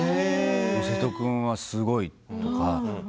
瀬戸君はすごいとか。